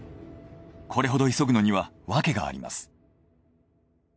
これほど急ぐのには訳があります。